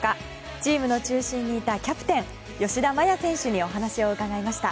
チームの中心にいたキャプテン、吉田麻也選手にお話を伺いました。